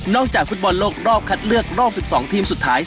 จากฟุตบอลโลกรอบคัดเลือกรอบ๑๒ทีมสุดท้าย